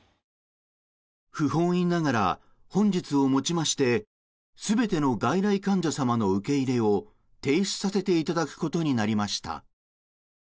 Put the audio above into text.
不本意ながら本日をもちまして全ての外来患者様の受け入れを停止させていただくことになりました。